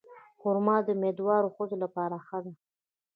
خرما د امیندوارو ښځو لپاره ښه ده.